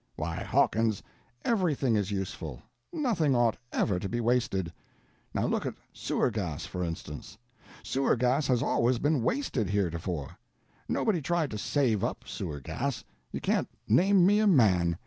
Why Hawkins, everything is useful—nothing ought ever to be wasted. Now look at sewer gas, for instance. Sewer gas has always been wasted, heretofore; nobody tried to save up sewer gas—you can't name me a man.